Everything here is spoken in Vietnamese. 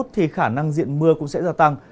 thì khả năng diện mưa cũng sẽ gia tăng